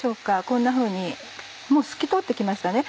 こんなふうにもう透き通って来ましたね。